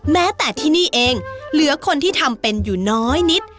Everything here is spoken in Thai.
แม้แต่ที่นี่เองเหลือคนที่ทำเป็นอยู่น้อยนิด